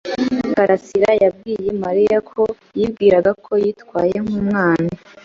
Karasirayabwiye Mariya ko yibwiraga ko yitwaye nkumwana.